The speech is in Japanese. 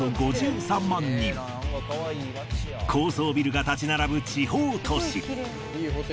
高層ビルが立ち並ぶ地方都市。